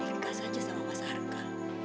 menikah saja sama mas arka